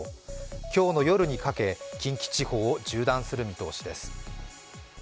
今日の夜にかけ、近畿地方を縦断する見通しです。